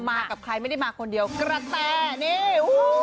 มากับใครไม่ได้มาคนเดียวกระแท่นี่โอ้โห